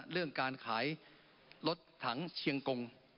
เรื่องการขายรถถังเชียงกง